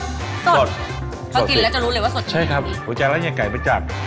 เขากินแล้วจะรู้เลยว่าสดจริงอย่างไรดีใช่ครับผมจะละเงียนไก่ไปจาก